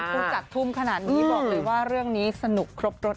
ผู้จัดทุ่มขนาดนี้บอกเลยว่าเรื่องนี้สนุกครบรถ